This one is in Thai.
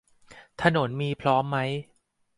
ถนนมีพร้อมไหม